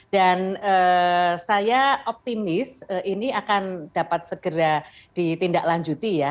dan saya optimis ini akan dapat segera ditindaklanjuti ya